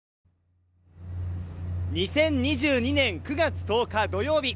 ２０２２年９月１０日土曜日。